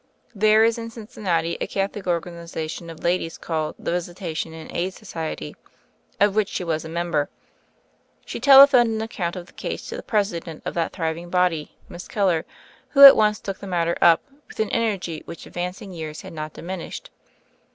There is in Cincinnati a Catholic organization of ladies called the "Visitation and Aid Society," of which she was a member. She telephoned an account of the case to the President of that thriving body. Miss Keller, who at once took the matter up with an energy which advancing years had not diminished.